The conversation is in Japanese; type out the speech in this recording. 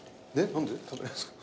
何で食べないんすか？